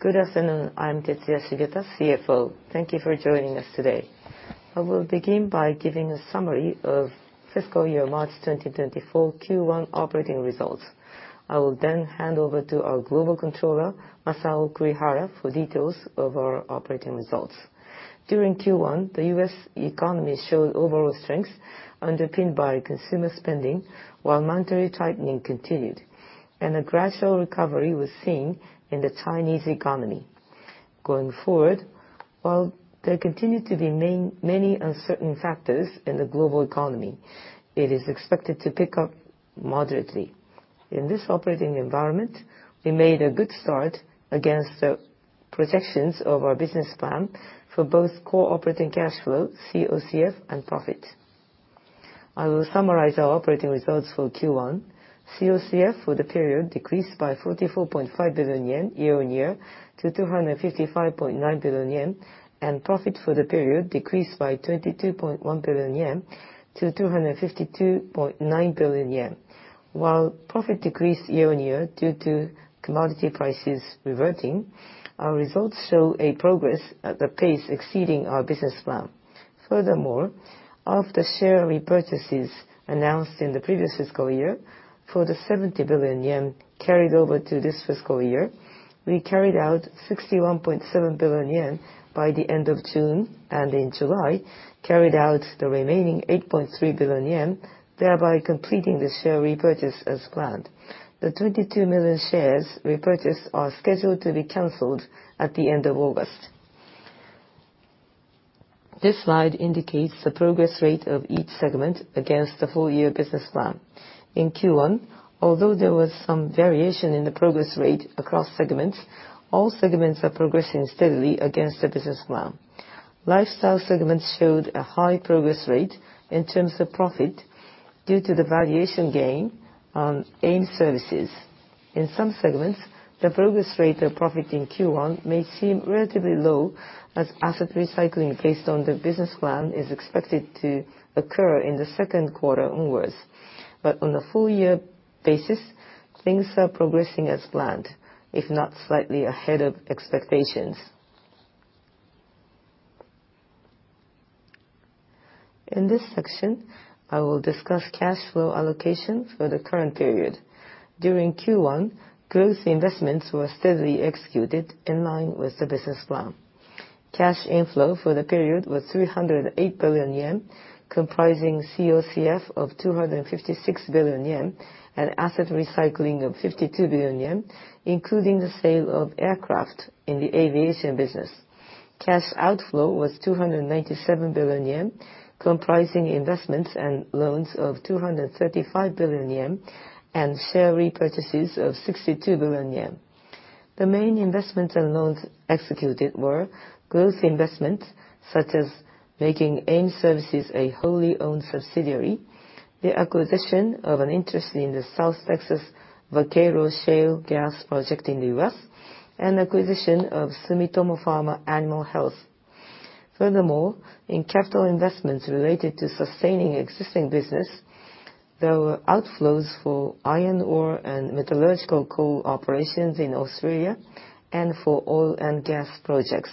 Good afternoon. I'm Tetsuya Shigeta, CFO. Thank you for joining us today. I will begin by giving a summary of fiscal year March 2024 Q1 operating results. I will then hand over to our Global Controller, Masao Kurihara, for details of our operating results. During Q1, the U.S. economy showed overall strength underpinned by consumer spending, while monetary tightening continued, and a gradual recovery was seen in the Chinese economy. Going forward, while there continue to be many, many uncertain factors in the global economy, it is expected to pick up moderately. In this operating environment, we made a good start against the projections of our business plan for both core operating cash flow, COCF, and profit. I will summarize our operating results for Q1. COCF for the period decreased by 44.5 billion yen year-on-year to 255.9 billion yen, and profit for the period decreased by 22.1 billion-252.9 billion yen. While profit decreased year-on-year due to commodity prices reverting, our results show a progress at the pace exceeding our business plan. Furthermore, of the share repurchases announced in the previous fiscal year, for the 70 billion yen carried over to this fiscal year, we carried out 61.7 billion yen by the end of June, and in July, carried out the remaining 8.3 billion yen, thereby completing the share repurchase as planned. The 22 million shares repurchased are scheduled to be canceled at the end of August. This slide indicates the progress rate of each segment against the full year business plan. In Q1, although there was some variation in the progress rate across segments, all segments are progressing steadily against the business plan. Lifestyle segments showed a high progress rate in terms of profit due to the valuation gain on AIM Services. In some segments, the progress rate of profit in Q1 may seem relatively low, as asset recycling based on the business plan is expected to occur in the Q2 onwards. On a full year basis, things are progressing as planned, if not slightly ahead of expectations. In this section, I will discuss cash flow allocation for the current period. During Q1, growth investments were steadily executed in line with the business plan. Cash inflow for the period was 308 billion yen, comprising COCF of 256 billion yen and asset recycling of 52 billion yen, including the sale of aircraft in the aviation business. Cash outflow was 297 billion yen, comprising investments and loans of 235 billion yen and share repurchases of 62 billion yen. The main investments and loans executed were growth investments, such as making AIM Services a wholly owned subsidiary, the acquisition of an interest in the South Texas Vaquero shale gas project in the U.S., and acquisition of Sumitomo Pharma Animal Health. Furthermore, in capital investments related to sustaining existing business, there were outflows for iron ore and metallurgical coal operations in Australia and for oil and gas projects.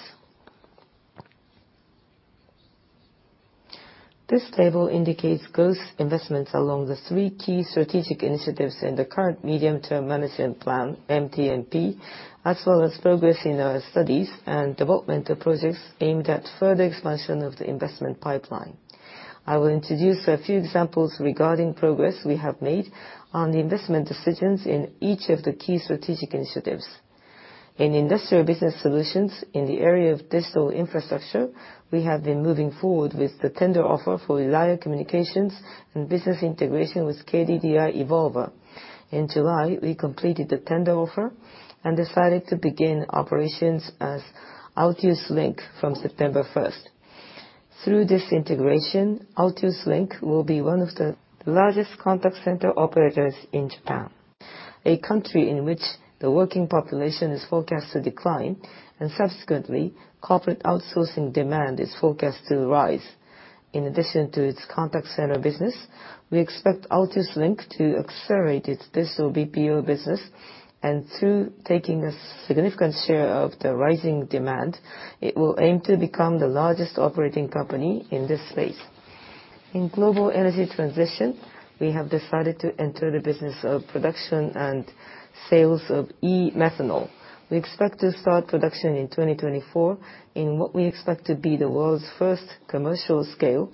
This table indicates growth investments along the three key strategic initiatives in the current medium-term management plan, MTMP, as well as progress in our studies and developmental projects aimed at further expansion of the investment pipeline. I will introduce a few examples regarding progress we have made on the investment decisions in each of the key strategic initiatives. In industrial business solutions, in the area of digital infrastructure, we have been moving forward with the tender offer for Relia, Inc. and business integration with KDDI Evolva. In July, we completed the tender offer and decided to begin operations as Altius Link from September 1st. Through this integration, Altius Link will be one of the largest contact center operators in Japan, a country in which the working population is forecast to decline and subsequently, corporate outsourcing demand is forecast to rise. In addition to its contact center business, we expect Altius Link to accelerate its Digital BPO business, and through taking a significant share of the rising demand, it will aim to become the largest operating company in this space. In global energy transition, we have decided to enter the business of production and sales of e-methanol. We expect to start production in 2024, in what we expect to be the world's first commercial scale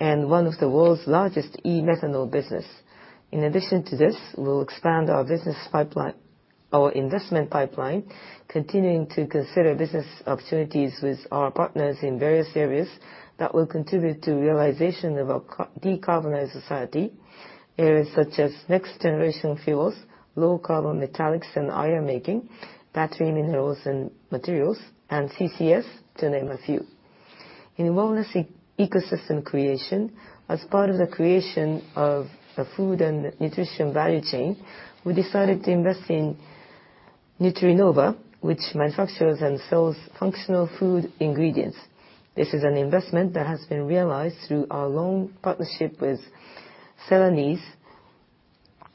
and one of the world's largest e-methanol business. In addition to this, we'll expand our business pipeline, our investment pipeline, continuing to consider business opportunities with our partners in various areas that will contribute to realization of a co-decarbonized society, areas such as next-generation fuels, low-carbon metallics and iron making, platinum minerals and materials, and CCS, to name a few. In wellness ecosystem creation, as part of the creation of a food and nutrition value chain, we decided to invest in Nutrinova, which manufactures and sells functional food ingredients. This is an investment that has been realized through our long partnership with Celanese,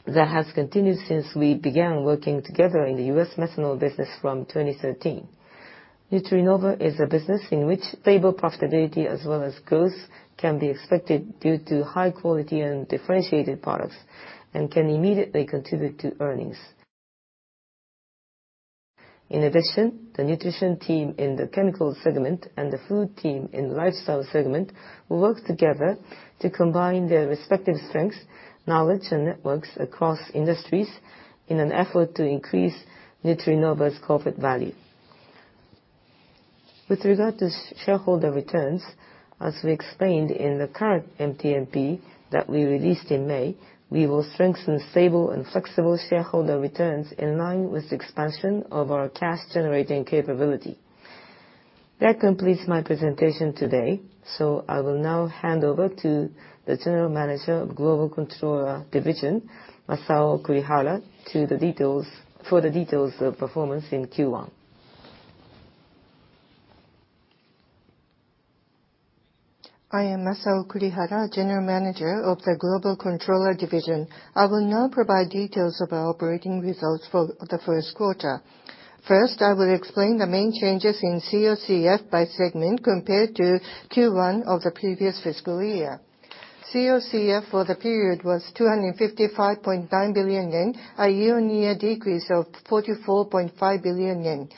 that has continued since we began working together in the US methanol business from 2013. Nutrinova is a business in which stable profitability as well as growth can be expected due to high quality and differentiated products, and can immediately contribute to earnings. In addition, the nutrition team in the Chemicals segment and the food team in the Lifestyle segment will work together to combine their respective strengths, knowledge, and networks across industries in an effort to increase Nutrinova's corporate value. With regard to shareholder returns, as we explained in the current MTMP that we released in May, we will strengthen stable and flexible shareholder returns in line with the expansion of our cash-generating capability. That completes my presentation today, so I will now hand over to the General Manager of Global Controller Division, Masao Kurihara, for the details of performance in Q1. I am Masao Kurihara, General Manager of the Global Controller Division. I will now provide details of our operating results for the Q1. First, I will explain the main changes in COCF by segment compared to Q1 of the previous fiscal year. COCF for the period was 255.9 billion yen, a year-on-year decrease of 44.5 billion yen.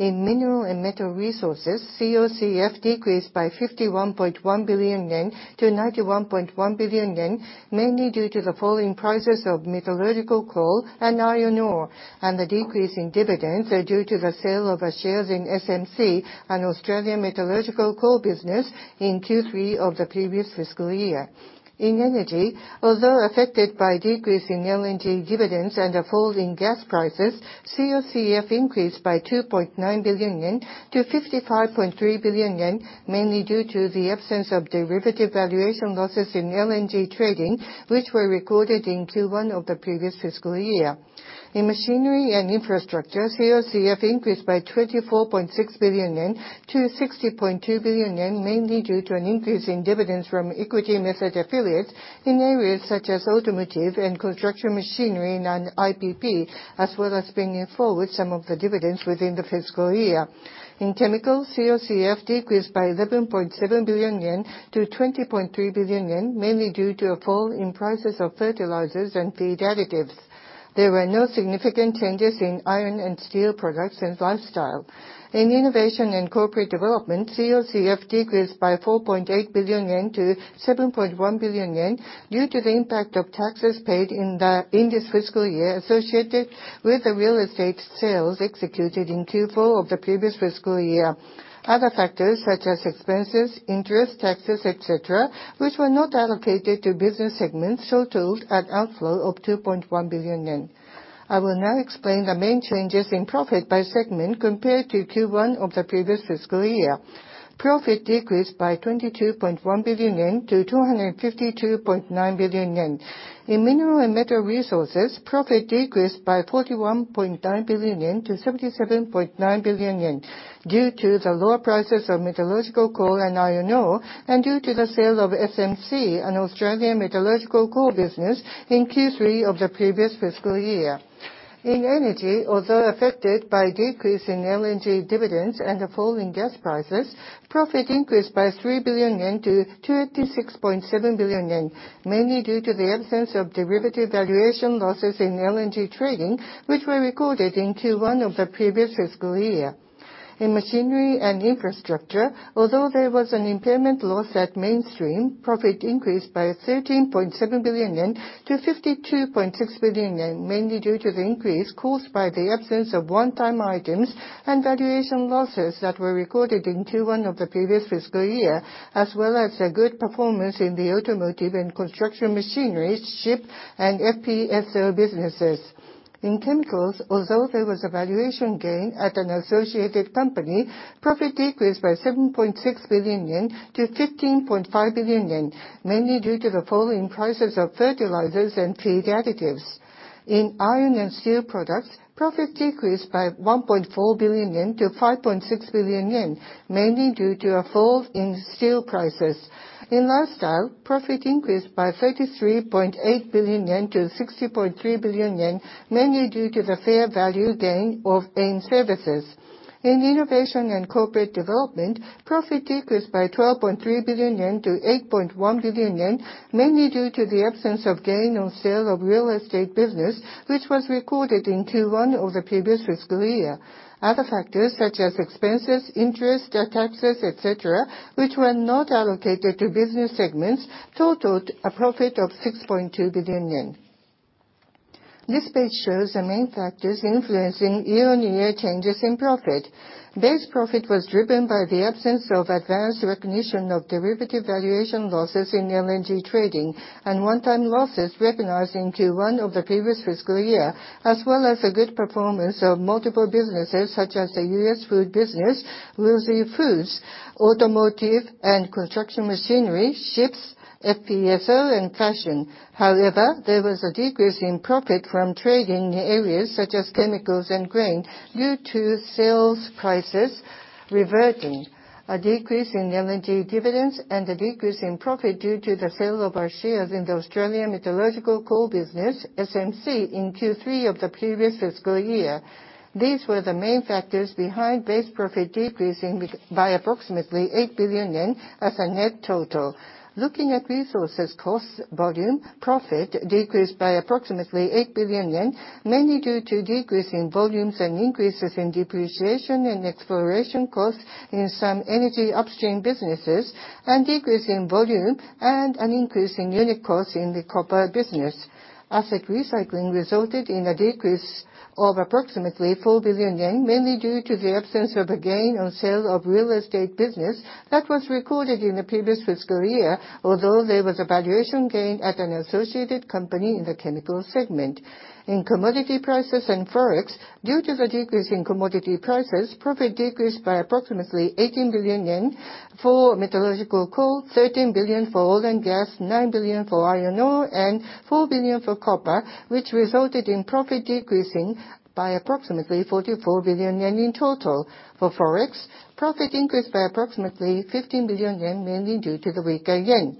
In Mineral & Metal Resources, COCF decreased by 51.1 billion-91.1 billion yen, mainly due to the falling prices of metallurgical coal and iron ore, and the decrease in dividends are due to the sale of our shares in SMC, an Australian metallurgical coal business, in Q3 of the previous fiscal year. In Energy, although affected by decrease in LNG dividends and a fall in gas prices, COCF increased by 2.9 billion-55.3 billion yen, mainly due to the absence of derivative valuation losses in LNG trading, which were recorded in Q1 of the previous fiscal year. In Machinery & Infrastructure, COCF increased by 24.6 billion-60.2 billion yen, mainly due to an increase in dividends from equity-method affiliates in areas such as automotive and construction machinery, non-IPP, as well as bringing forward some of the dividends within the fiscal year. In Chemicals, COCF decreased by 11.7 billion-20.3 billion yen, mainly due to a fall in prices of fertilizers and feed additives. There were no significant changes in Iron & Steel Products and Lifestyle. In Innovation and Corporate Development, COCF decreased by 4.8 billion-7.1 billion yen due to the impact of taxes paid in this fiscal year associated with the real estate sales executed in Q4 of the previous fiscal year. Other factors such as expenses, interest, taxes, et cetera, which were not allocated to business segments, totaled an outflow of 2.1 billion yen. I will now explain the main changes in profit by segment compared to Q1 of the previous fiscal year. Profit decreased by 22.1 billion-252.9 billion yen. In Mineral & Metal Resources, profit decreased by 41.9 billion-77.9 billion yen, due to the lower prices of metallurgical coal and iron ore, and due to the sale of SMC, an Australian metallurgical coal business, in Q3 of the previous fiscal year. In Energy, although affected by a decrease in LNG dividends and a fall in gas prices, profit increased by 3 billion-86.7 billion yen, mainly due to the absence of derivative valuation losses in LNG trading, which were recorded in Q1 of the previous fiscal year. In Machinery & Infrastructure, although there was an impairment loss at Mainstream, profit increased by 13.7 billion-52.6 billion yen, mainly due to the increase caused by the absence of one-time items and valuation losses that were recorded in Q1 of the previous fiscal year, as well as a good performance in the automotive and construction machinery, ship, and FPSO businesses. In Chemicals, although there was a valuation gain at an associated company, profit decreased by 7.6 billion-15.5 billion yen, mainly due to the falling prices of fertilizers and feed additives. In Iron & Steel Products, profit decreased by 1.4 billion-5.6 billion yen, mainly due to a fall in steel prices. In Lifestyle, profit increased by 33.8 billion-60.3 billion yen, mainly due to the fair value gain of AIM Services. In Innovation & Corporate Development, profit decreased by 12.3 billion-8.1 billion yen, mainly due to the absence of gain on sale of real estate business, which was recorded in Q1 of the previous fiscal year. Other factors, such as expenses, interest, taxes, et cetera, which were not allocated to business segments, totaled a profit of 6.2 billion yen. This page shows the main factors influencing year-on-year changes in profit. Base profit was driven by the absence of advanced recognition of derivative valuation losses in LNG trading and one-time losses recognized in Q1 of the previous fiscal year, as well as a good performance of multiple businesses such as the U.S. food business, Wilsey Foods, automotive and construction machinery, ships, FPSO, and fashion. However, there was a decrease in profit from trading in areas such as Chemicals and grain due to sales prices reverting, a decrease in LNG dividends, and a decrease in profit due to the sale of our shares in the Australian Metallurgical Coal business, SMC, in Q3 of the previous fiscal year. These were the main factors behind base profit decreasing by approximately 8 billion yen as a net total. Looking at resources, cost, volume, profit decreased by approximately 8 billion yen, mainly due to decrease in volumes and increases in depreciation and exploration costs in some Energy upstream businesses, and decrease in volume and an increase in unit costs in the copper business. Asset recycling resulted in a decrease of approximately 4 billion yen, mainly due to the absence of a gain on sale of real estate business that was recorded in the previous fiscal year, although there was a valuation gain at an associated company in the Chemicals segment. In commodity prices and Forex, due to the decrease in commodity prices, profit decreased by approximately 18 billion yen for metallurgical coal, 13 billion for oil and gas, 9 billion for iron ore, and 4 billion for copper, which resulted in profit decreasing by approximately 44 billion yen in total. For Forex, profit increased by approximately 15 billion yen, mainly due to the weaker yen.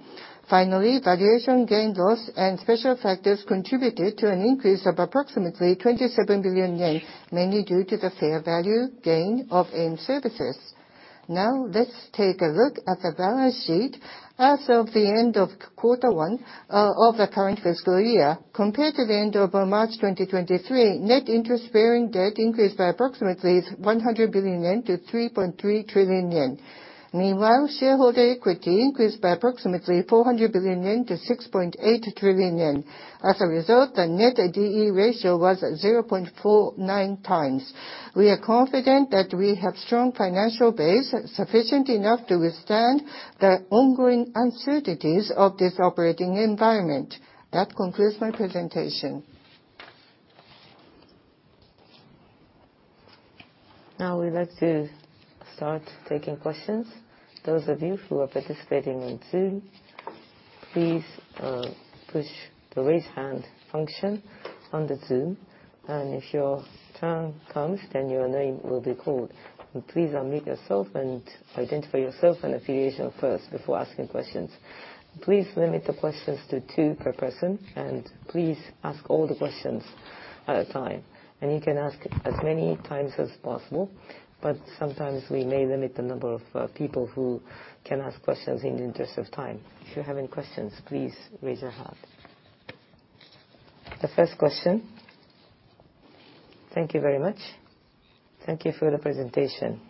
Finally, valuation gain/loss and special factors contributed to an increase of approximately 27 billion yen, mainly due to the fair value gain of AIM Services. Now, let's take a look at the balance sheet. As of the end of quarter one of the current fiscal year, compared to the end of March 2023, net interest-bearing debt increased by approximately 100 billion-3.3 trillion yen. Meanwhile, shareholder equity increased by approximately 400 billion-6.8 trillion yen. As a result, the Net D/E Ratio was 0.49x. We are confident that we have strong financial base, sufficient enough to withstand the ongoing uncertainties of this operating environment. That concludes my presentation. Now we'd like to start taking questions. Those of you who are participating in Zoom, please push the Raise Hand function on the Zoom, and if your turn comes, then your name will be called. Please unmute yourself and identify yourself and affiliation first before asking questions. Please limit the questions to two per person, and please ask all the questions at a time. You can ask as many times as possible, but sometimes we may limit the number of people who can ask questions in the interest of time. If you have any questions, please raise your hand. The first question? Thank you very much. Thank you for the presentation.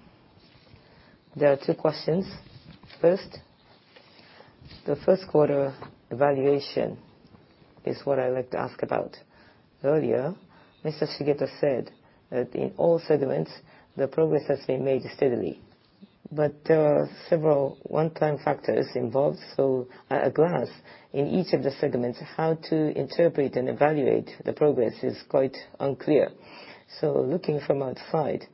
There are two questions. First, the Q1 evaluation is what I'd like to ask about. Earlier, Mr. Shigeta said that in all segments, the progress has been made steadily. There are several one-time factors involved. At a glance, in each of the segments, how to interpret and evaluate the progress is quite unclear. Looking from outside,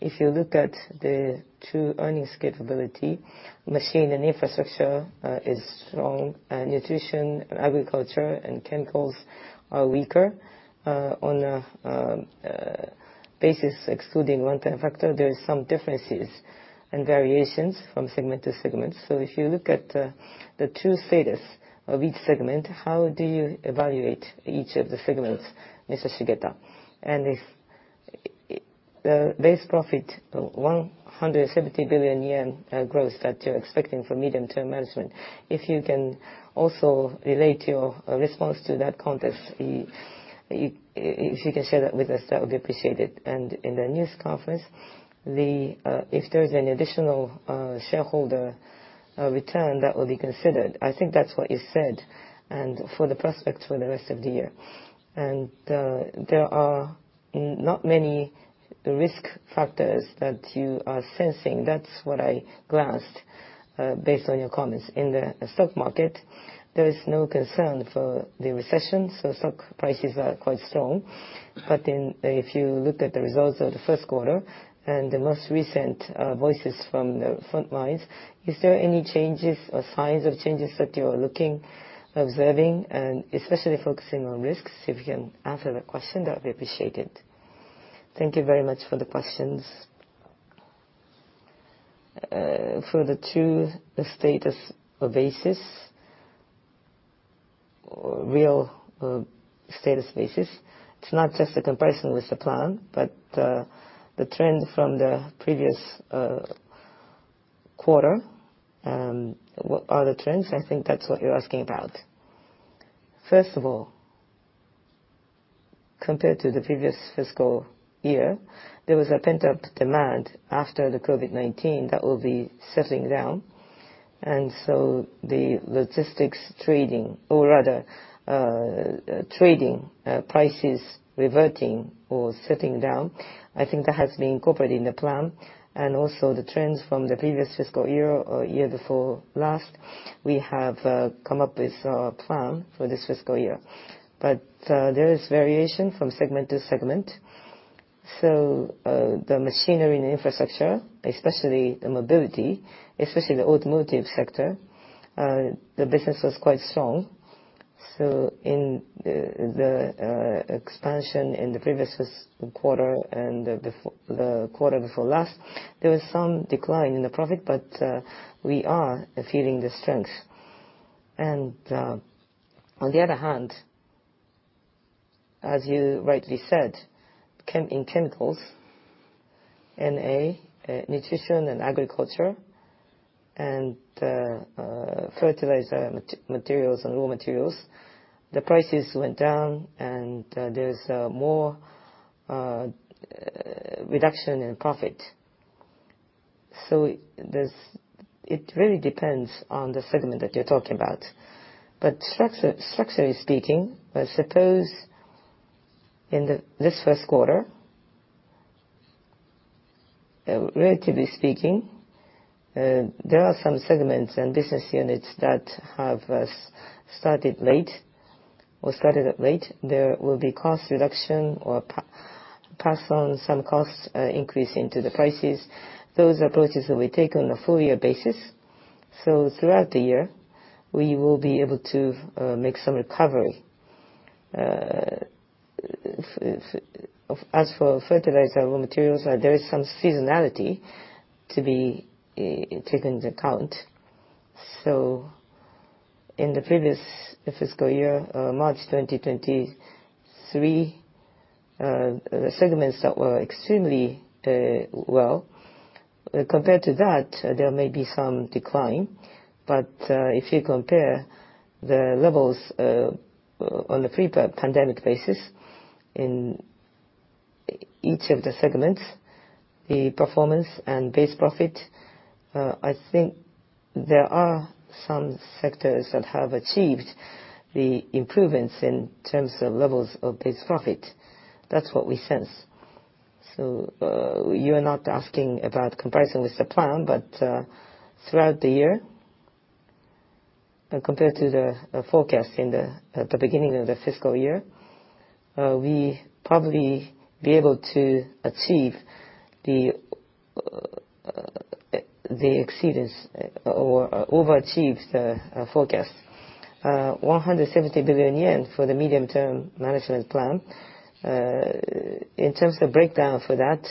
if you look at the true earnings capability, Machinery & Infrastructure is strong, and Nutrition and Agriculture, and Chemicals are weaker. On a basis excluding one-time factor, there is some differences and variations from segment to segment. If you look at the true status of each segment, how do you evaluate each of the segments, Mr. Shigeta? If the base profit, 170 billion yen, growth that you're expecting for medium-term management, if you can also relate your response to that context, if you can share that with us, that would be appreciated. In the news conference, the... If there is any additional shareholder return, that will be considered. I think that's what you said, and for the prospects for the rest of the year. There are not many risk factors that you are sensing. That's what I glanced based on your comments. In the stock market, there is no concern for the recession, so stock prices are quite strong. If you look at the results of the Q1 and the most recent voices from the front lines, is there any changes or signs of changes that you are looking, observing, and especially focusing on risks? If you can answer the question, that would be appreciated. Thank you very much for the questions. For the true status basis, real status basis, it's not just a comparison with the plan, but the trend from the previous quarter, what are the trends? I think that's what you're asking about. First of all, compared to the previous fiscal year, there was a pent-up demand after the COVID-19 that will be settling down. So the logistics trading, or rather, trading prices reverting or settling down, I think that has been incorporated in the plan. Also, the trends from the previous fiscal year or year before last, we have come up with a plan for this fiscal year. There is variation from segment to segment. The Machinery & Infrastructure, especially the mobility, especially the automotive sector, the business was quite strong. ...in the expansion in the previous quarter and the quarter before last, there was some decline in the profit, but we are feeling the strength. On the other hand, as you rightly said, in Chemicals, NA, Nutrition and Agriculture, and fertilizer materials and raw materials, the prices went down, and there's more reduction in profit. It really depends on the segment that you're talking about. Structurally speaking, I suppose in this Q1, relatively speaking, there are some segments and business units that have started late or started up late. There will be cost reduction or pass on some cost increase into the prices. Those approaches will be taken on a full year basis. Throughout the year, we will be able to make some recovery. As for fertilizer, raw materials, there is some seasonality to be taken into account. In the previous fiscal year, March 2023, the segments that were extremely well, compared to that, there may be some decline. If you compare the levels on the pre-pandemic basis in each of the segments, the performance and base profit, I think there are some sectors that have achieved the improvements in terms of levels of base profit. That's what we sense. You are not asking about comparison with the plan, but, throughout the year, and compared to the forecast in the, the beginning of the fiscal year, we probably be able to achieve the, the exceedance or overachieve the forecast. 170 billion yen for the medium-term management plan. In terms of breakdown for that,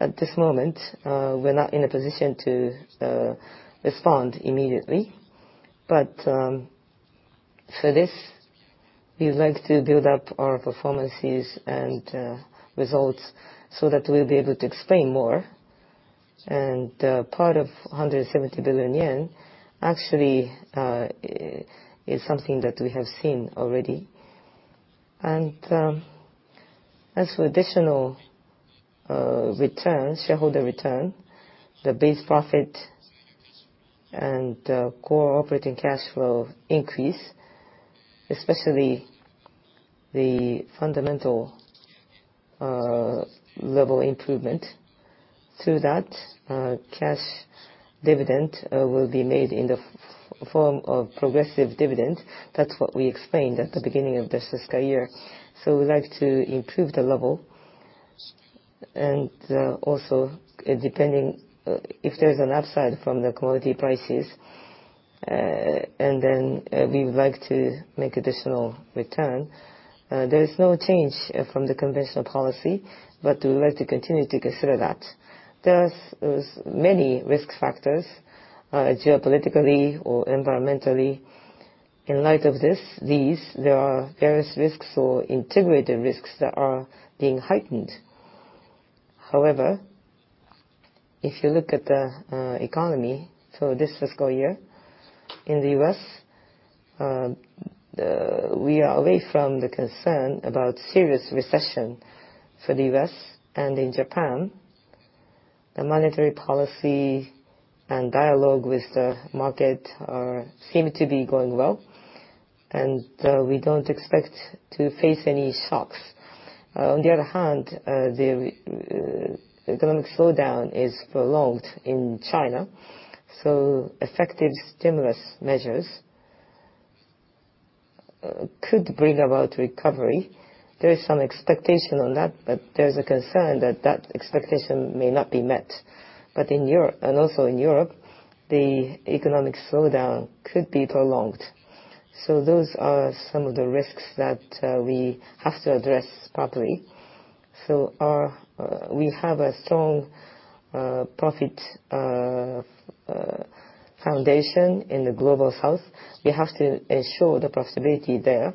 at this moment, we're not in a position to respond immediately. For this, we would like to build up our performances and results so that we'll be able to explain more. Part of 170 billion yen actually, is something that we have seen already. As for additional return, shareholder return, the base profit and core operating cash flow increase, especially the fundamental level improvement, through that cash dividend will be made in the form of progressive dividends. That's what we explained at the beginning of this fiscal year. We'd like to improve the level, and also, depending, if there's an upside from the commodity prices, and then, we would like to make additional return. There is no change from the conventional policy, but we would like to continue to consider that. There's, there's many risk factors, geopolitically or environmentally. In light of this, these, there are various risks or integrated risks that are being heightened. However, if you look at the economy, this fiscal year, in the US, we are away from the concern about serious recession for the US, and in Japan, the monetary policy and dialogue with the market seem to be going well, and we don't expect to face any shocks. On the other hand, the economic slowdown is prolonged in China, so effective stimulus measures could bring about recovery. There is some expectation on that, but there's a concern that that expectation may not be met. And also in Europe, the economic slowdown could be prolonged. Those are some of the risks that we have to address properly. We have a strong profit foundation in the Global South. We have to ensure the profitability there,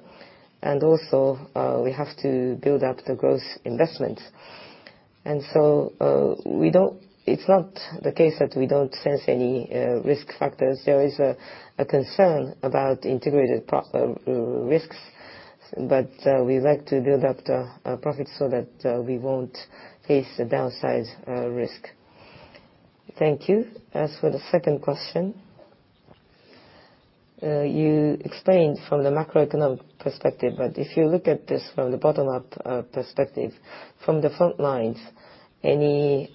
and also, we have to build up the growth investment. So, we don't-- it's not the case that we don't sense any risk factors. There is a concern about integrated pro- risks, but we like to build up the profit so that we won't face a downside risk. Thank you. As for the second question, you explained from the macroeconomic perspective, but if you look at this from the bottom-up perspective, from the front lines, any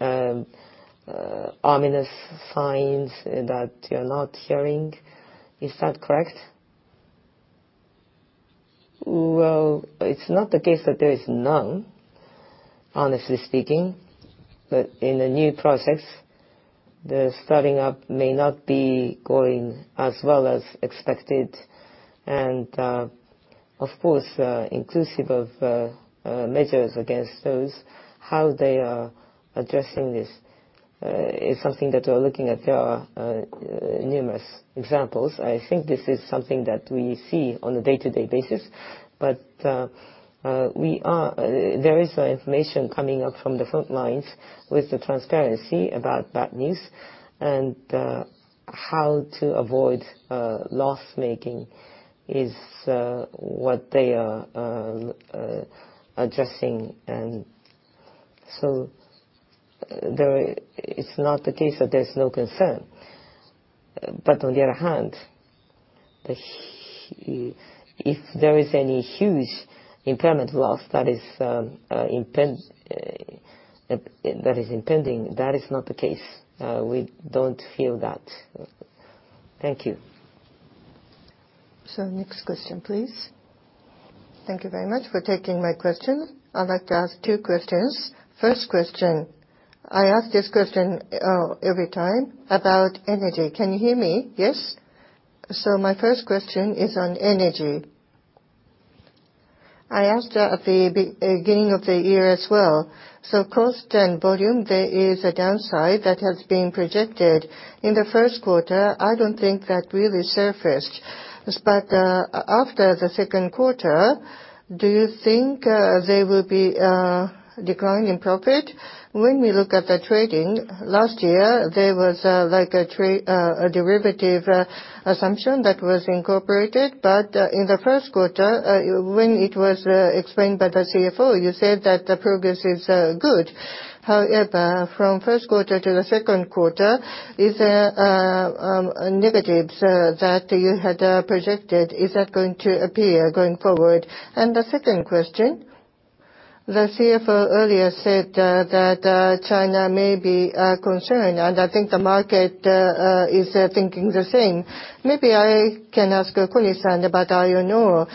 ominous signs that you're not hearing, is that correct? Well, it's not the case that there is none, honestly speaking, but in the new process, the starting up may not be going as well as expected. Of course, inclusive of measures against those, how they are addressing this, is something that we're looking at. There are numerous examples. I think this is something that we see on a day-to-day basis, but, we are- there is information coming up from the front lines with the transparency about bad news, and how to avoid loss-making is what they are addressing. There- it's not the case that there's no concern. On the other hand, the hu- if there is any huge impairment loss that is impend, that is impending, that is not the case. We don't feel that. Thank you. Next question, please. Thank you very much for taking my question. I'd like to ask two questions. First question, I ask this question every time about energy. Can you hear me? Yes? My first question is on energy. I asked at the beginning of the year as well, so cost and volume, there is a downside that has been projected. In the Q1, I don't think that really surfaced. After the Q2, do you think there will be decline in profit? When we look at the trading, last year, there was like a trade, a derivative assumption that was incorporated. In the Q1, when it was explained by the CFO, you said that the progress is good. However, from Q1 to the Q2, is there negatives that you had projected? Is that going to appear going forward? The second question, the CFO earlier said that China may be concerned, and I think the market is thinking the same. Maybe I can ask Kuni-san about, you know,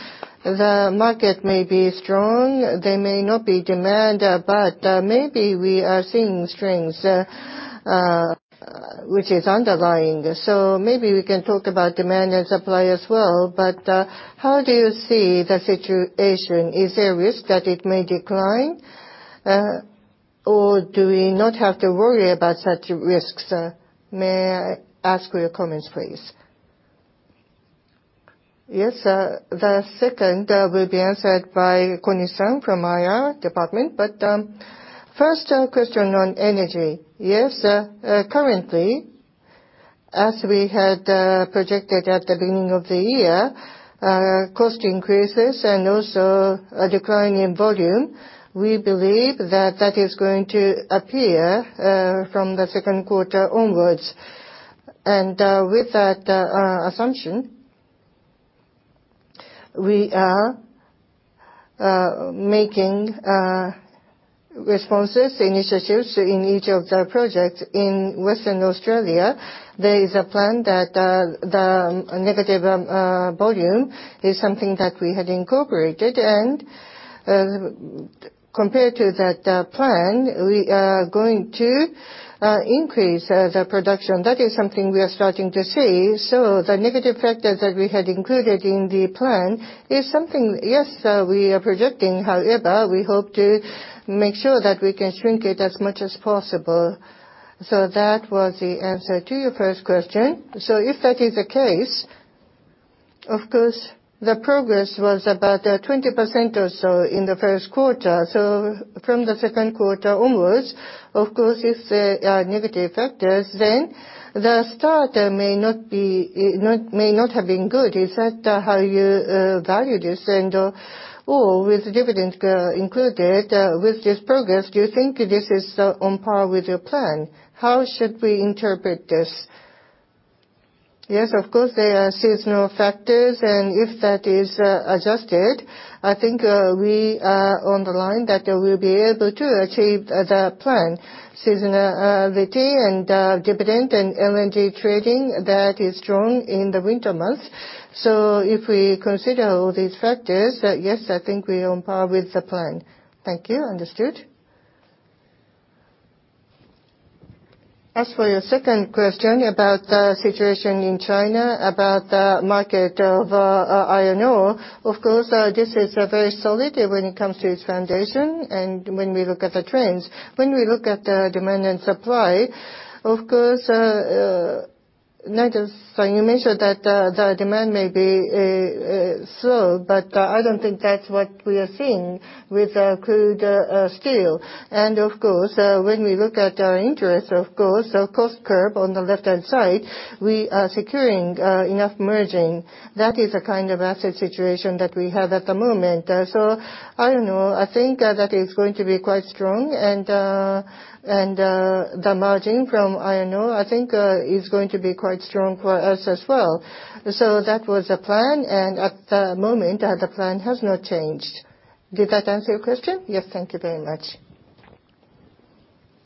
the market may be strong, there may not be demand, but maybe we are seeing strengths which is underlying. Maybe we can talk about demand and supply as well. How do you see the situation? Is there a risk that it may decline, or do we not have to worry about such risks? May I ask your comments, please? Yes, the second will be answered by Kuni-san from IR department. First, question on energy. Yes, currently, as we had projected at the beginning of the year, cost increases and also a decline in volume, we believe that that is going to appear from the Q2 onwards. With that assumption, we are making responses, initiatives in each of the projects. In Western Australia, there is a plan that the negative volume is something that we had incorporated. Compared to that plan, we are going to increase the production. That is something we are starting to see. The negative factors that we had included in the plan is something, yes, we are projecting. However, we hope to make sure that we can shrink it as much as possible. That was the answer to your first question. If that is the case, of course, the progress was about 20% or so in the Q1. From the Q2 onwards, of course, if there are negative factors, then the start may not be, may not have been good. Is that how you value this? Or with dividend included with this progress, do you think this is on par with your plan? How should we interpret this? Of course, there are seasonal factors, and if that is adjusted, I think we are on the line that we'll be able to achieve the plan. Seasonality, and dividend, and LNG trading, that is strong in the winter months. If we consider all these factors, then, yes, I think we are on par with the plan. Thank you. Understood. As for your second question about the situation in China, about the market of iron ore, of course, this is very solid when it comes to its foundation and when we look at the trends. When we look at the demand and supply, of course, not just you mentioned that the demand may be slow, but I don't think that's what we are seeing with crude steel. Of course, when we look at our interest, of course, our cost curve on the left-hand side, we are securing enough margin. That is the kind of asset situation that we have at the moment. I don't know. I think, that is going to be quite strong, and, and, the margin from iron ore, I think, is going to be quite strong for us as well. That was the plan, and at the moment, the plan has not changed. Did that answer your question? Yes, thank you very much.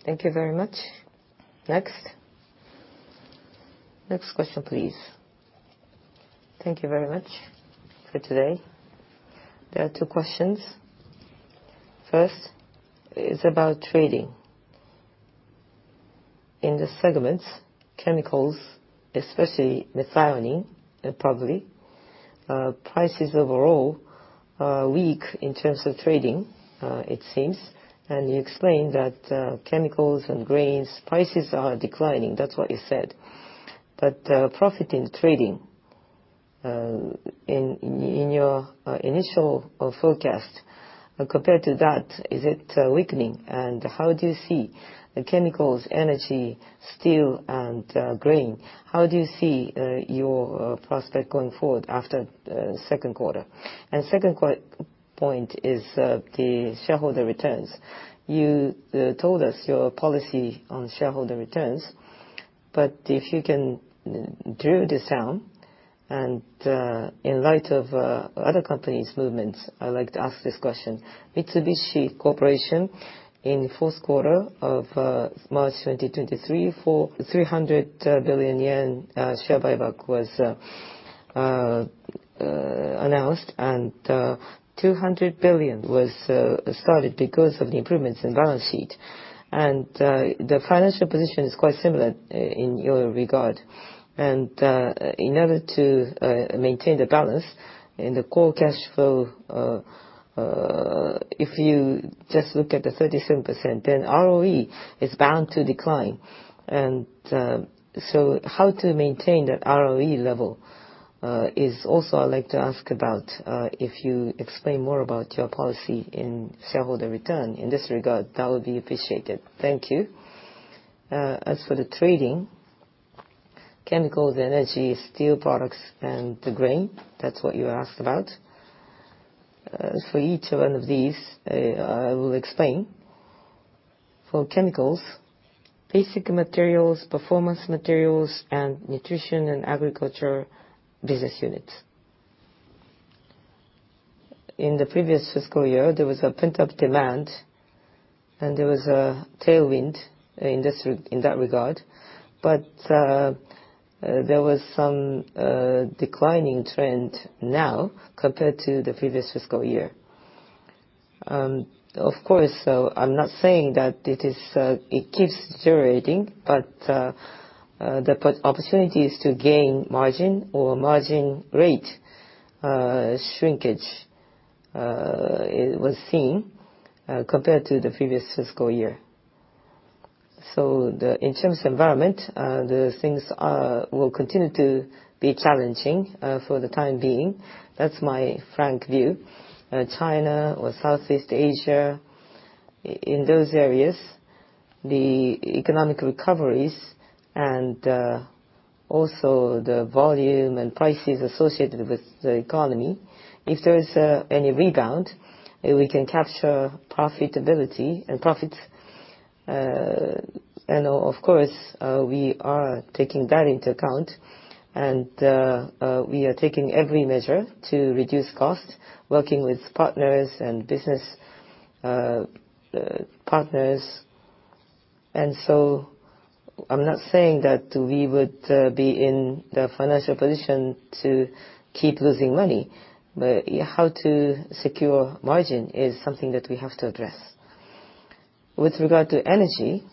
Thank you very much. Next? Next question, please. Thank you very much for today. There are two questions. First is about trading. In the segments, Chemicals, especially methionine, probably prices overall are weak in terms of trading, it seems, and you explained that Chemicals and grains, prices are declining. That's what you said. Profit in trading, in, in your initial forecast, compared to that, is it weakening? How do you see the Chemicals, Energy, steel, and grain, how do you see your prospect going forward after Q2? Second point is the shareholder returns. You told us your policy on shareholder returns, but if you can drill this down, and in light of other companies' movements, I'd like to ask this question. Mitsubishi Corporation, in the fourth quarter of March 2023, for 300 billion yen, share buyback was announced, and 200 billion was started because of the improvements in balance sheet. The financial position is quite similar in your regard. In order to maintain the balance in the core cash flow, if you just look at the 37%, then ROE is bound to decline. How to maintain that ROE level is also I'd like to ask about, if you explain more about your policy in shareholder return in this regard, that would be appreciated. Thank you. As for the trading, chemicals, energy, steel products, and the grain, that's what you asked about. For each one of these, I will explain. For Chemicals, basic materials, performance materials, and Nutrition and Agriculture business units. In the previous fiscal year, there was a pent-up demand, and there was a tailwind in this, in that regard, but there was some declining trend now compared to the previous fiscal year. Of course, so I'm not saying that it is, it keeps deteriorating, but the opportunities to gain margin or margin rate shrinkage, it was seen compared to the previous fiscal year. The, in terms of environment, the things are, will continue to be challenging for the time being. That's my frank view. China or Southeast Asia, in those areas, the economic recoveries and also the volume and prices associated with the economy, if there is any rebound, we can capture profitability and profits. Of course, we are taking that into account, we are taking every measure to reduce cost, working with partners and business partners. So I'm not saying that we would be in the financial position to keep losing money, but how to secure margin is something that we have to address. With regard to energy,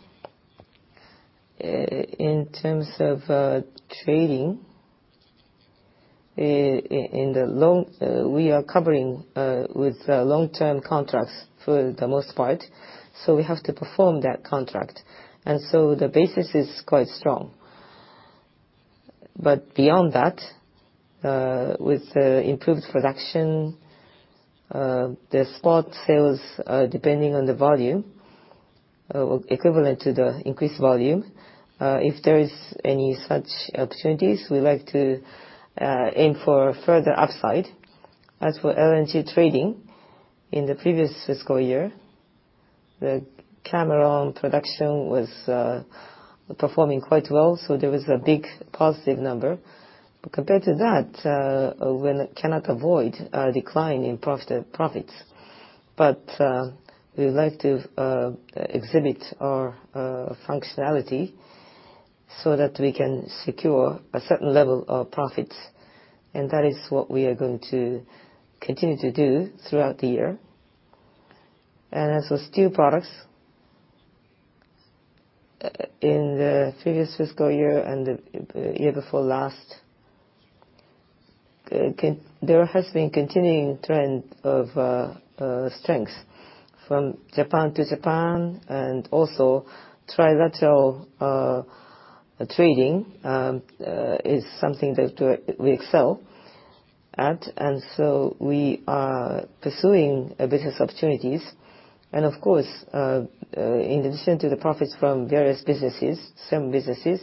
in terms of trading, in the long, we are covering with long-term contracts for the most part, so we have to perform that contract, the basis is quite strong. Beyond that, with improved production, the spot sales, depending on the volume, equivalent to the increased volume, if there is any such opportunities, we like to aim for further upside. As for LNG trading, in the previous fiscal year, the Cameron production was performing quite well, so there was a big positive number. Compared to that, when it cannot avoid a decline in profits, but we would like to exhibit our functionality so that we can secure a certain level of profits, and that is what we are going to continue to do throughout the year. As for steel products, in the previous fiscal year and the year before last, there has been continuing trend of strength from Japan to Japan, and also trilateral trading is something that we excel at, and so we are pursuing business opportunities. Of course, in addition to the profits from various businesses, some businesses,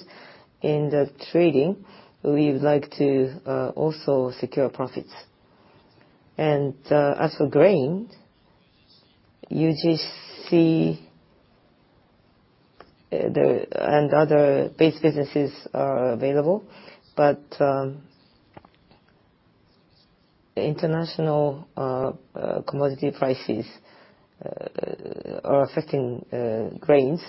in the trading, we would like to also secure profits. As for grain, UGC, the, and other base businesses are available, but the international commodity prices are affecting grains.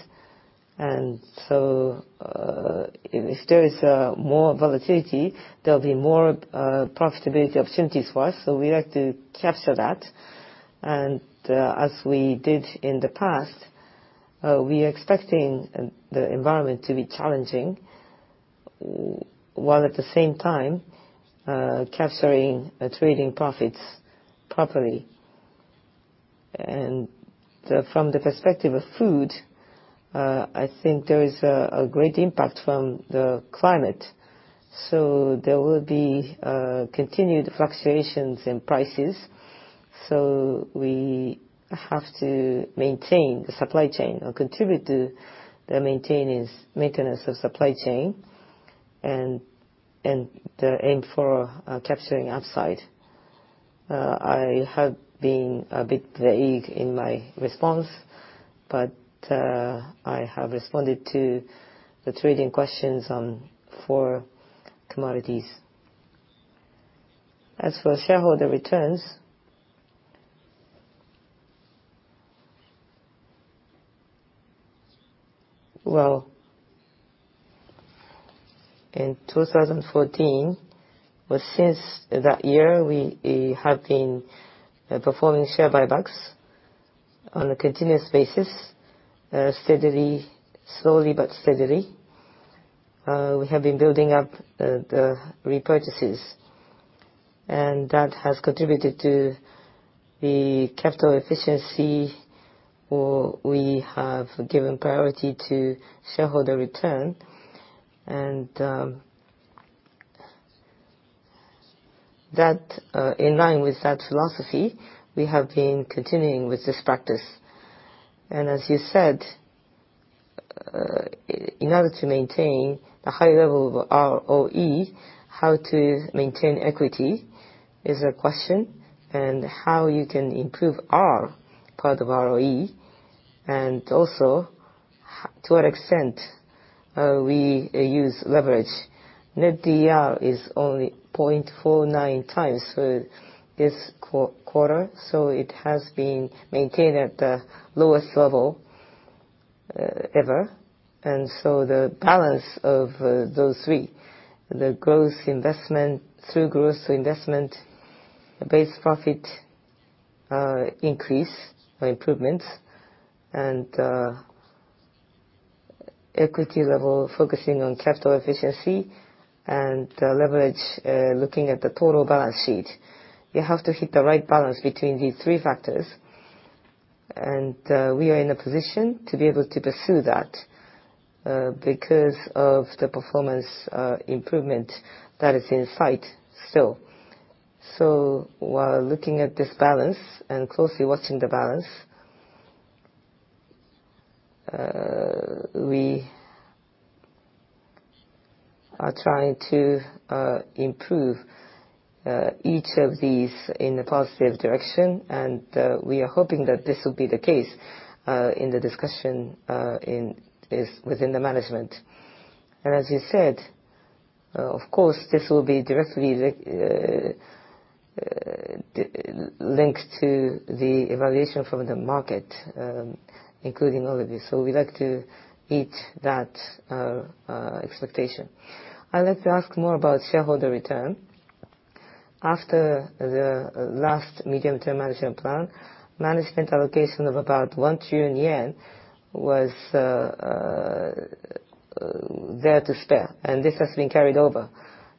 If there is more volatility, there'll be more profitability opportunities for us, so we like to capture that. As we did in the past, we are expecting the environment to be challenging, while at the same time, capturing trading profits properly. From the perspective of food, I think there is a great impact from the climate. There will be continued fluctuations in prices. We have to maintain the supply chain or contribute to the maintenance, maintenance of supply chain, and, and, aim for, capturing upside. I have been a bit vague in my response, but, I have responded to the trading questions on for commodities. As for shareholder returns? Well, in 2014, well, since that year, we have been performing share buybacks on a continuous basis, steadily, slowly but steadily. We have been building up the repurchases, and that has contributed to the capital efficiency, or we have given priority to shareholder return. That, in line with that philosophy, we have been continuing with this practice. As you said, in order to maintain a high level of ROE, how to maintain equity is a question, and how you can improve R, part of ROE, and also, to what extent, we use leverage. Net DER is only 0.49 times for this quarter, so it has been maintained at the lowest level ever. So the balance of those three, the growth investment, through growth investment, base profit, increase or improvements, and equity level, focusing on capital efficiency and leverage, looking at the total balance sheet. You have to hit the right balance between these three factors, and we are in a position to be able to pursue that because of the performance improvement that is in sight still. While looking at this balance and closely watching the balance, we are trying to improve each of these in a positive direction, and we are hoping that this will be the case in the discussion is within the management. As you said, of course, this will be directly linked to the evaluation from the market, including all of this, so we'd like to meet that expectation. I'd like to ask more about shareholder return. After the last medium-term management plan, management allocation of about 1 trillion yen was there to spare, and this has been carried over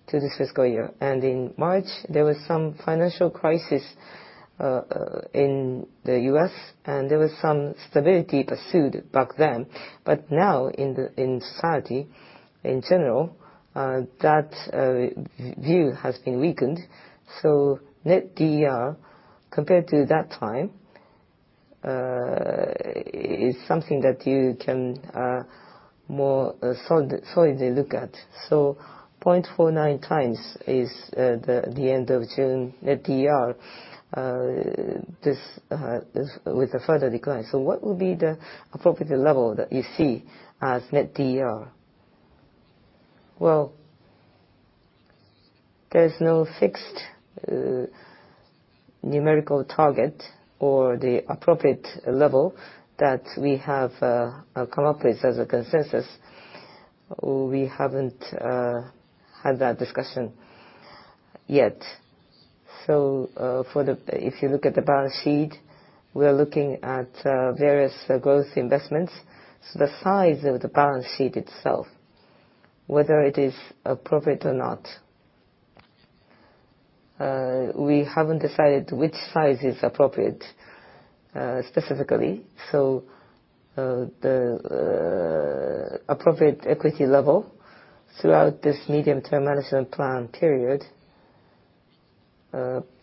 to this fiscal year. In March, there was some financial crisis in the US, and there was some stability pursued back then. Now, in the, in society in general, that, v- view has been weakened, Net DER, compared to that time, is something that you can, more, solid, solidly look at. 0.49 times is, the, the end of June Net DER, this, is with a further decline. What would be the appropriate level that you see as Net DER? Well, there's no fixed, numerical target or the appropriate level that we have, come up with as a consensus. We haven't had that discussion yet. For the-- if you look at the balance sheet, we are looking at, various growth investments. The size of the balance sheet itself, whether it is appropriate or not, we haven't decided which size is appropriate, specifically. The appropriate equity level throughout this medium-term management plan period,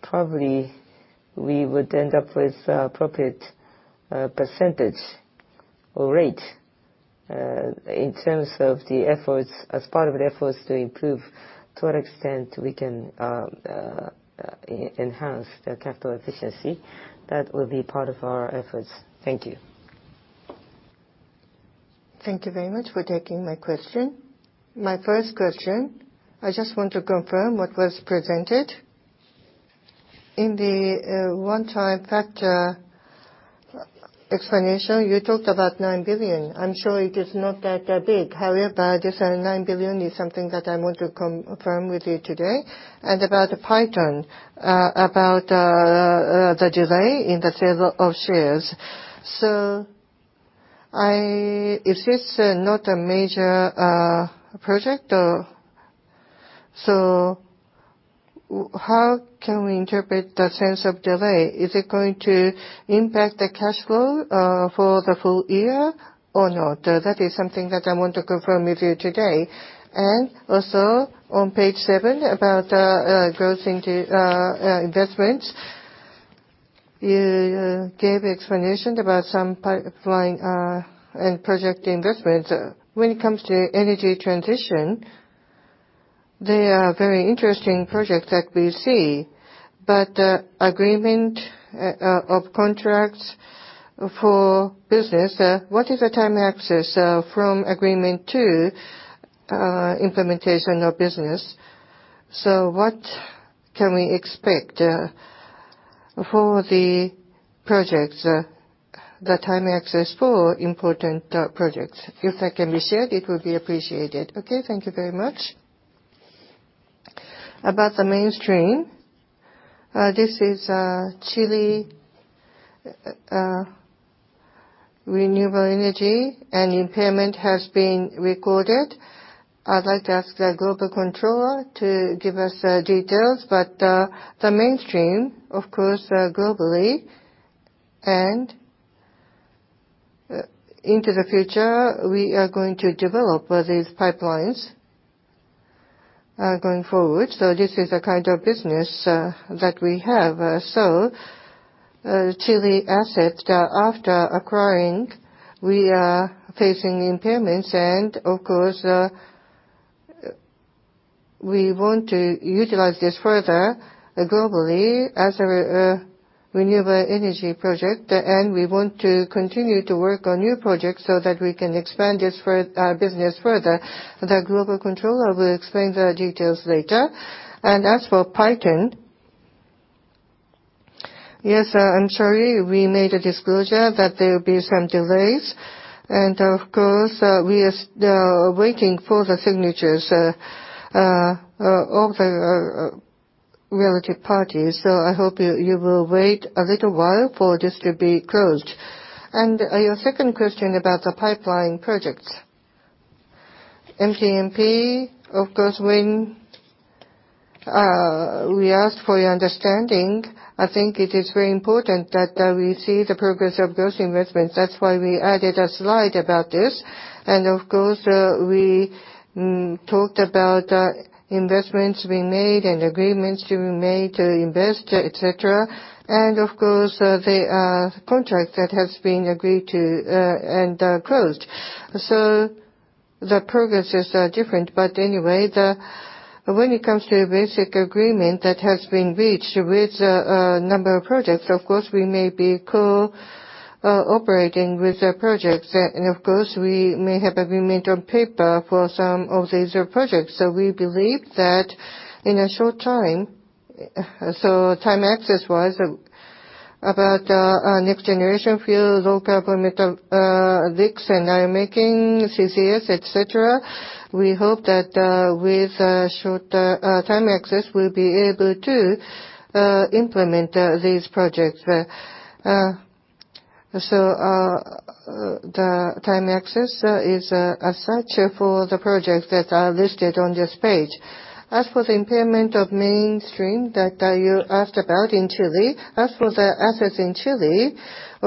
probably we would end up with an appropriate percentage or rate in terms of the efforts, as part of the efforts to improve, to what extent we can enhance the capital efficiency. That will be part of our efforts. Thank you. Thank you very much for taking my question. My first question, I just want to confirm what was presented. In the one-time factor explanation, you talked about 9 billion. I'm sure it is not that big, however, this 9 billion is something that I want to confirm with you today, and about the Python, about the delay in the sale of shares. If this is not a major project, how can we interpret the sense of delay? Is it going to impact the cash flow for the full year or not? That is something that I want to confirm with you today. On page seven, about growth into investments, you gave explanation about some pipeline and project investments. When it comes to energy transition, they are very interesting projects that we see. The agreement of contracts for business, what is the time access from agreement to implementation of business? What can we expect for the projects, the time access for important projects? If that can be shared, it would be appreciated. Okay, thank you very much. About the Mainstream, this is Chile, renewable energy. Impairment has been recorded. I'd like to ask the Global Controller to give us the details. The Mainstream, of course, globally, and into the future, we are going to develop these pipelines going forward. This is a kind of business that we have. So, Chile asset, after acquiring, we are facing impairments, and of course, we want to utilize this further globally as a renewable energy project. We want to continue to work on new projects so that we can expand this business further. The Global Controller Division will explain the details later. As for Python, yes, I'm sorry, we made a disclosure that there will be some delays. Of course, we are waiting for the signatures of the relative parties. So I hope you will wait a little while for this to be closed. Your second question about the pipeline projects. MTMP, of course, when we ask for your understanding, I think it is very important that we see the progress of those investments. That's why we added a slide about this. Of course, we talked about the investments we made and agreements we made to invest, et cetera. Of course, the contract that has been agreed to and closed. The progresses are different, but anyway, when it comes to a basic agreement that has been reached with a number of projects, of course, we may be co-operating with the projects. Of course, we may have agreement on paper for some of these projects. We believe that in a short time, so time access-wise, about our next generation fuel, low-carbon metallics, and iron making, CCS, et cetera, we hope that with short time access, we'll be able to implement these projects. Uh, so, uh, uh, the time access, uh, is, uh, as such for the projects that are listed on this page. As for the impairment of Mainstream that, uh, you asked about in Chile, as for the assets in Chile,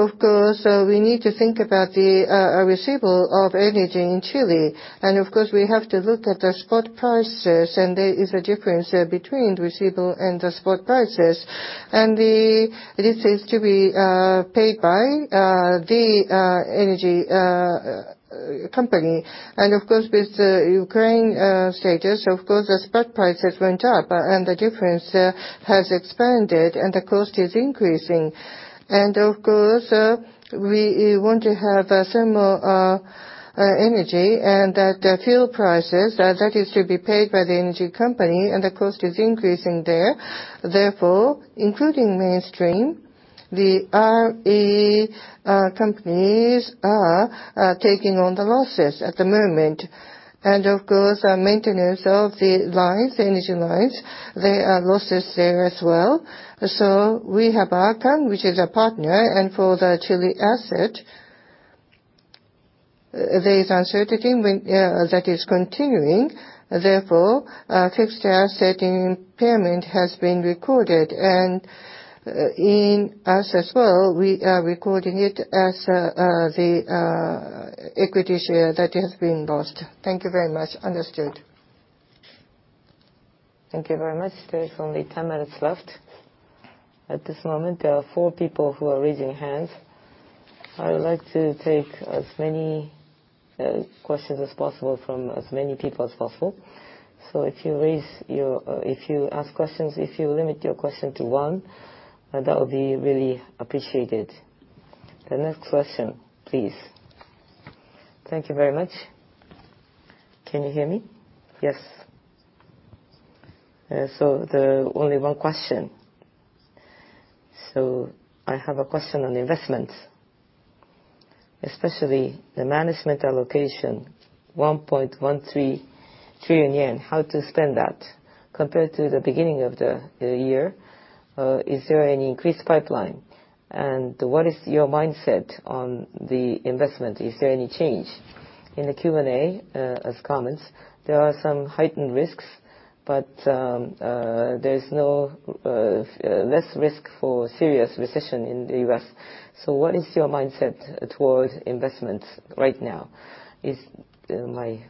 of course, uh, we need to think about the, uh, receivable of energy in Chile. And of course, we have to look at the spot prices, and there is a difference, uh, between receivable and the spot prices. And the, this is to be, uh, paid by, uh, the, uh, energy, uh, company. And of course, with the Ukraine, uh, status, of course, the spot prices went up, and the difference, uh, has expanded, and the cost is increasing. Of course, we want to have thermal energy, and that the fuel prices, that is to be paid by the energy company, and the cost is increasing there. Therefore, including Mainstream, the RE companies are taking on the losses at the moment. Of course, our maintenance of the lines, the energy lines, there are losses there as well. We have Arcan, which is a partner, and for the Chile asset, there is uncertainty when that is continuing. Therefore, fixed asset impairment has been recorded, and in us as well, we are recording it as the equity share that has been lost. Thank you very much. Understood. Thank you very much. There is only 10 minutes left. At this moment, there are four people who are raising hands. I would like to take as many questions as possible from as many people as possible. If you raise your, if you ask questions, if you limit your question to one, that would be really appreciated. The next question, please. Thank you very much. Can you hear me? Yes. The only one question. I have a question on investment, especially the management allocation, 1.13 trillion yen. How to spend that? Compared to the beginning of the year, is there any increased pipeline? What is your mindset on the investment? Is there any change? In the Q&A, as comments, there are some heightened risks, but there's no less risk for serious recession in the US. What is your mindset towards investment right now, is my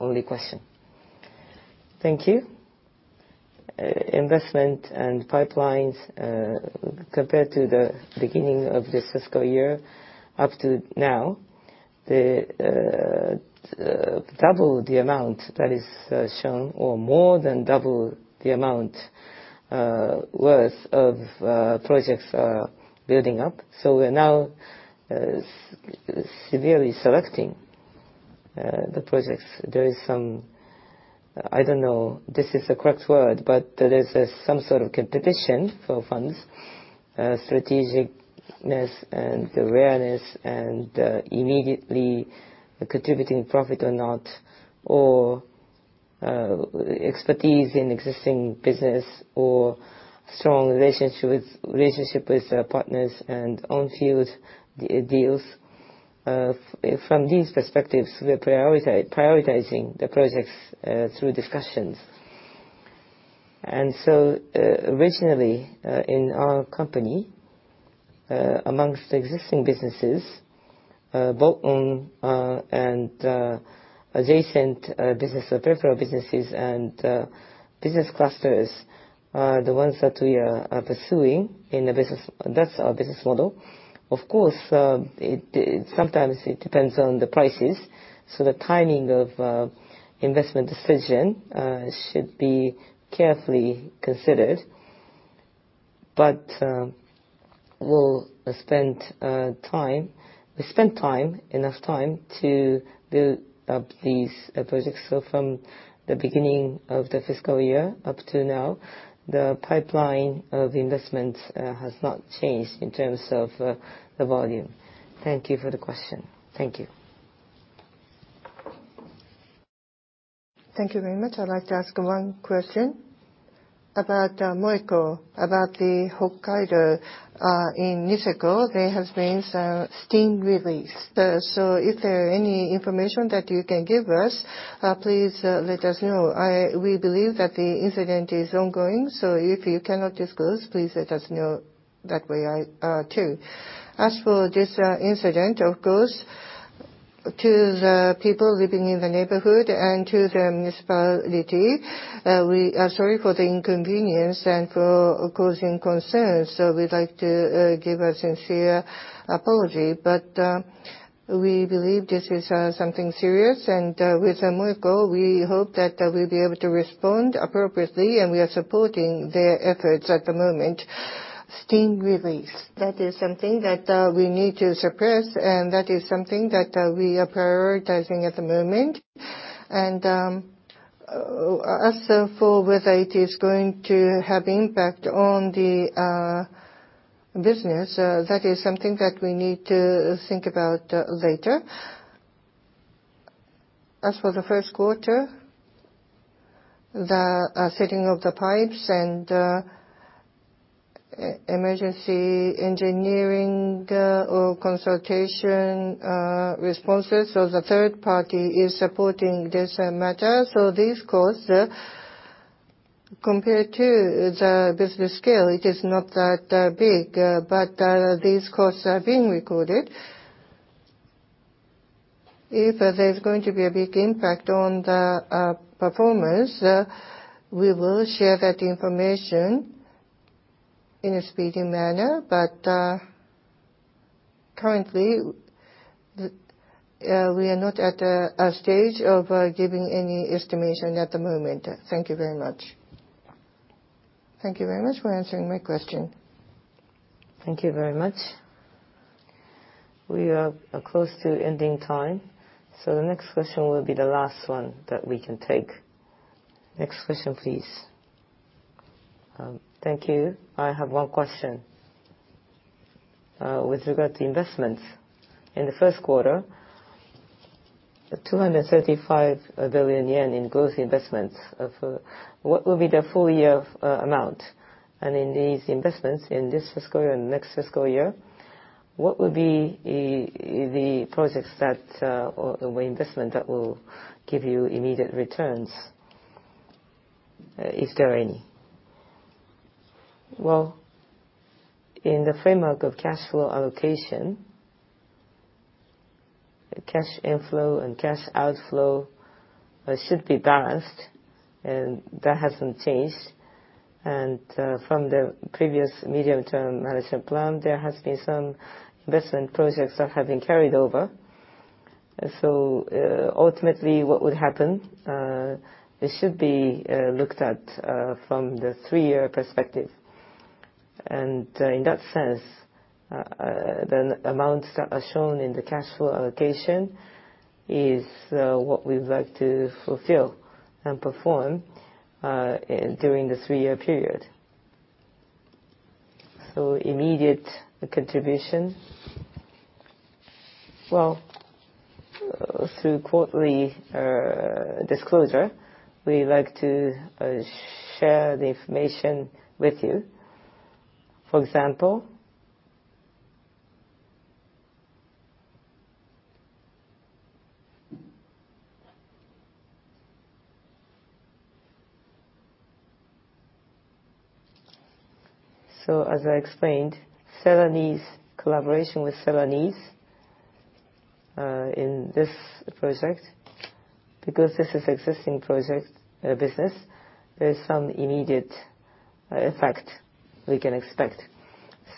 only question. Thank you. Investment and pipelines, compared to the beginning of this fiscal year, up to now, the double the amount that is shown or more than double the amount worth of projects are building up. We're now severely selecting the projects. There is some, I don't know if this is the correct word, but there is some sort of competition for funds, strategic-ness and the awareness and immediately contributing profit or not, or expertise in existing business or strong relationship with, relationship with partners and on field deals. From these perspectives, we're prioritizing the projects through discussions. Originally, in our company, amongst the existing businesses, both on, and adjacent, business or peripheral businesses and business clusters, are the ones that we are pursuing in the business. That's our business model. Of course, it, sometimes it depends on the prices, so the timing of investment decision should be carefully considered. We'll spend, we spend time, enough time, to build up these projects. From the beginning of the fiscal year up to now, the pipeline of investments has not changed in terms of the volume. Thank you for the question. Thank you. Thank you very much. I'd like to ask one question about MOECO, about the Hokkaido in Niseko. There has been some steam release. Is there any information that you can give us? Please let us know. We believe that the incident is ongoing, so if you cannot disclose, please let us know that way too. As for this incident, of course, to the people living in the neighborhood and to the municipality, we are sorry for the inconvenience and for causing concerns. We'd like to give a sincere apology, but we believe this is something serious, and with MOECO, we hope that we'll be able to respond appropriately, and we are supporting their efforts at the moment. Steam release, that is something that we need to suppress, and that is something that we are prioritizing at the moment. As for whether it is going to have impact on the business, that is something that we need to think about later. As for the Q1, the setting of the pipes and emergency engineering or consultation responses, so the third party is supporting this matter. This cost, compared to the business scale, it is not that big, but these costs are being recorded. If there's going to be a big impact on the performance, we will share that information in a speedy manner. Currently, we are not at a stage of giving any estimation at the moment. Thank you very much. Thank you very much for answering my question. Thank you very much. We are close to ending time, so the next question will be the last one that we can take. Next question, please. Thank you. I have one question. With regard to investments, in the Q1, 235 billion yen in growth investments. What will be the full year amount? In these investments, in this fiscal year and next fiscal year, what will be the projects or investment that will give you immediate returns? Is there any? Well, in the framework of cash flow allocation, the cash inflow and cash outflow should be balanced, and that hasn't changed. From the previous medium-term management plan, there has been some investment projects that have been carried over. Ultimately, what would happen, it should be looked at from the three-year perspective. In that sense, the amounts that are shown in the cash flow allocation is what we'd like to fulfill and perform during the three-year period. Immediate contribution, well, through quarterly disclosure, we like to share the information with you. For example. As I explained, Celanese, collaboration with Celanese, in this project, because this is existing project, business, there's some immediate effect we can expect.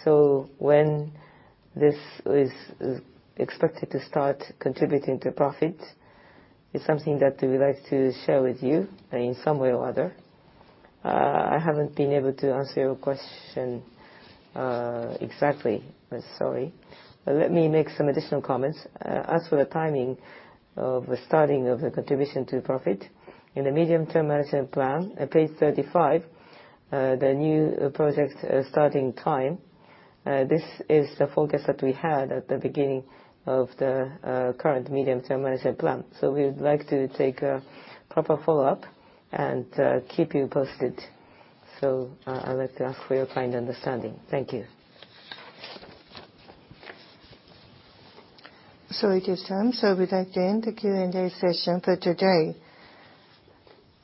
When this is expected to start contributing to profit, is something that we would like to share with you in some way or other. I haven't been able to answer your question exactly. I'm sorry. Let me make some additional comments. As for the timing of the starting of the contribution to profit, in the Medium-Term Management Plan, at page 35, the new project starting time, this is the forecast that we had at the beginning of the current Medium-Term Management Plan. We would like to take a proper follow-up and keep you posted. I'd like to ask for your kind understanding. Thank you. It is time. With that, the end the Q&A session for today.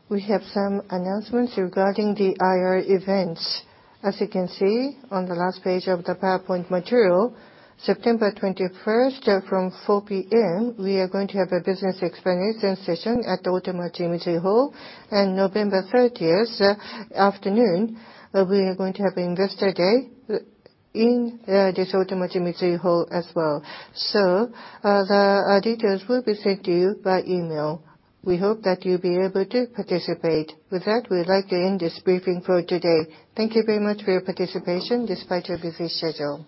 We have some announcements regarding the IR events. As you can see on the last page of the PowerPoint material, September 21st from 4:00 P.M., we are going to have a business expansion session at the Otemachi Mitsui Hall. November 30th, afternoon, we are going to have Investor Day in this Otemachi Mitsui Hall as well. The details will be sent to you by email. We hope that you'll be able to participate. With that, we'd like to end this briefing for today. Thank you very much for your participation, despite your busy schedule.